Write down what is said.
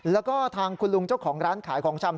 แล้วก็ทางคุณลุงเจ้าของร้านขายของชำ